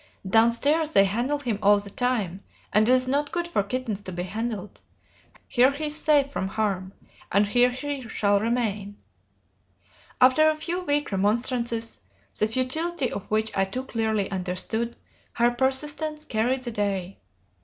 'Downstairs they handle him all the time, and it is not good for kittens to be handled. Here he is safe from harm, and here he shall remain,' After a few weak remonstrances, the futility of which I too clearly understood, her persistence carried the day.